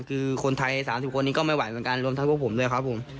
คือคนไทย๓๐คนนี้ก็ไม่ไหวเหมือนกันรวมทั้งพวกผมด้วยครับผม